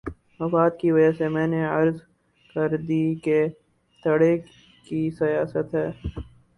مفاد کی وجہ میں نے عرض کر دی کہ دھڑے کی سیاست ہے۔